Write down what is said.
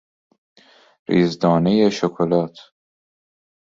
ریز دانهی شکلات